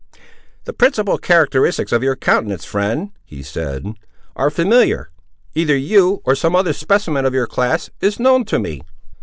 "The principal characteristics of your countenance, friend," he said, "are familiar; either you, or some other specimen of your class, is known to me."